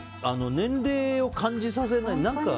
年齢を感じさせない。